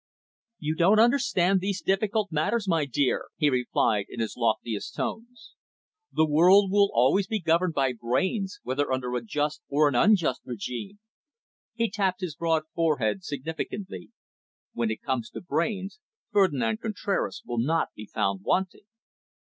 "You do not understand these difficult matters, my dear," he replied in his loftiest tones. "The world will always be governed by brains, whether under a just or an unjust regime." He tapped his broad forehead significantly. "When it comes to brains, Ferdinand Contraras will not be found wanting."